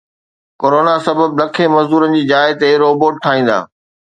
corona سبب لکين مزدورن جي جاءِ تي روبوٽ ٺاهيندا